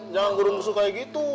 jangan gurung gurung kayak gitu